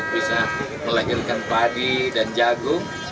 bisa melahirkan padi dan jagung